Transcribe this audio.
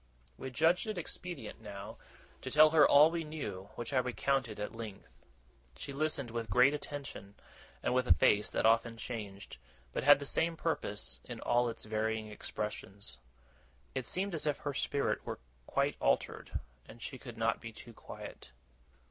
We judged it expedient, now, to tell her all we knew; which I recounted at length. She listened with great attention, and with a face that often changed, but had the same purpose in all its varying expressions. Her eyes occasionally filled with tears, but those she repressed. It seemed as if her spirit were quite altered, and she could not be too quiet.